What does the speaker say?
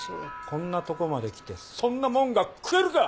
こんなとこまで来てそんなもんが食えるか！